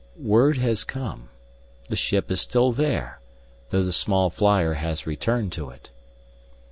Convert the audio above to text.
"Word has come. The ship is still there, though the small flyer has returned to it."